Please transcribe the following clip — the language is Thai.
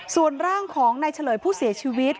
ส่วนร่างของนายเฉลยผู้เสียชีวิต